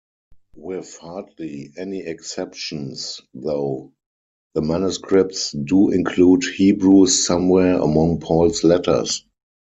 With hardly any exceptions, though, the manuscripts do include Hebrews somewhere among Paul's letters.